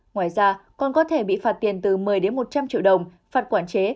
ngoài ra còn có thể bị phạt tiền từ một mươi một trăm linh triệu đồng phạt quản chế